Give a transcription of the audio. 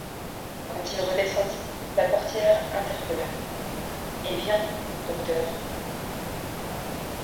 Quand il redescendit, la portière l’interpella: — Eh bien, docteur?